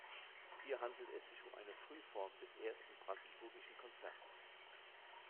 Hier handelt es sich um eine Frühform des Ersten Brandenburgischen Konzerts.